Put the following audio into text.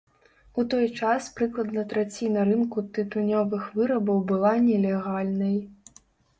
У той час прыкладна траціна рынку тытунёвых вырабаў была нелегальнай.